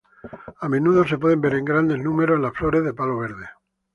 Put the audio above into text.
A menudo se pueden ver en grandes números en las flores de palo verde.